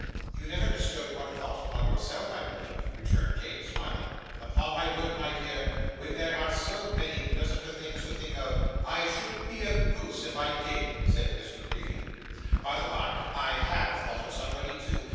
'You never bestowed one thought upon yourself, I believe,' returned Kate, smiling. 'Upon my word, my dear, when there are so many pleasanter things to think of, I should be a goose if I did,' said Miss La Creevy. 'By the bye, I HAVE thought of somebody too.